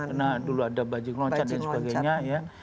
karena dulu ada bajing loncat dan sebagainya ya